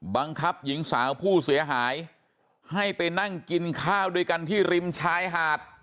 บังคับหญิงสาวผู้เสียหายให้ไปนั่งกินข้าวด้วยกันที่ริมชายหาด